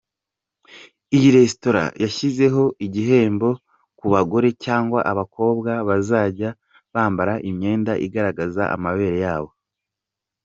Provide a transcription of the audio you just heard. Iyi resitora yashyizeho igihembo ku bagore cyangwa abakobwa bazajya bambara imyenda igaragaza amabere yabo.